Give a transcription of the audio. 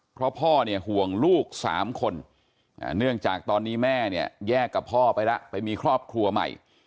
เพราะพ่อเนี่ยห่วงลูก๓คนเนื่องจากตอนนี้แม่เนี่ยแยกกับพ่อไปแล้วไปมีครอบครัวใหม่